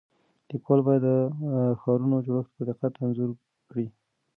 لیکوال باید د ښارونو جوړښت په دقت انځور کړي.